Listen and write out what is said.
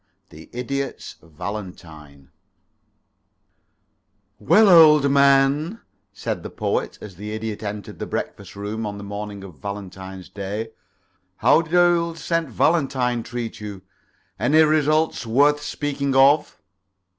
III THE IDIOT'S VALENTINE "Well, old man," said the Poet, as the Idiot entered the breakfast room on the morning of Valentine's day, "how did old St. Valentine treat you? Any results worth speaking of?"